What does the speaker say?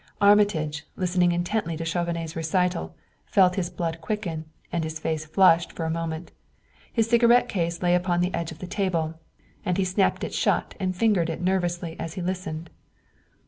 Armitage, listening intently to Chauvenet's recital, felt his blood quicken, and his face flushed for a moment. His cigarette case lay upon the edge of the table, and he snapped it shut and fingered it nervously as he listened.